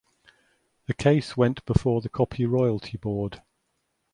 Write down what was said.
The case went before the Copy Royalty Board.